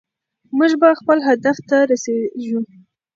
موږ به خپل هدف ته رسیږو.